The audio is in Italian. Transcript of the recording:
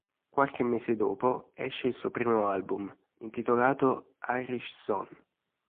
Qualche mese dopo esce il suo primo album, intitolato "Irish son".